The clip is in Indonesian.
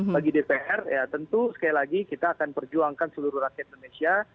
bagi dpr ya tentu sekali lagi kita akan perjuangkan seluruh rakyat indonesia